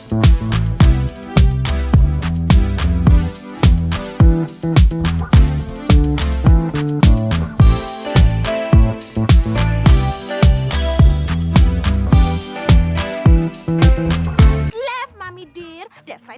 paling perhatian sama si ramzi